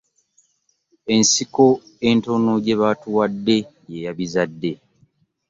Ensiko entono gye baatuwadde ye yabizadde.